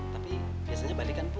tapi biasanya balik kan bu